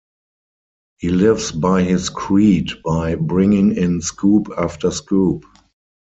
He lives by his creed by bringing in scoop after scoop.